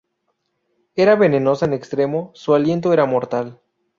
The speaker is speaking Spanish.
Era venenosa en extremo, su aliento era mortal.